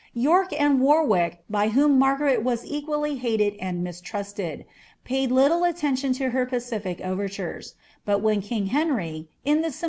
York nnd Wnnrirk, by whom Margaret wa* etjually haled and uii»trusle<t, (wid litili nueniJM to hpr pacific overtures; but when king Henry, in the ~:.